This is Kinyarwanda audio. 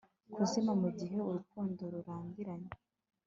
Kuzimya mugihe urukundo rurambiranye